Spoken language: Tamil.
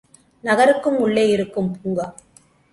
நகருக்கு உள்ளே இருக்கும் பூங்கா.